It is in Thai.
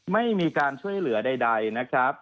ไม่มีการช่วยเหลือใดนะครับ